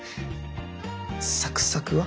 サクサクは？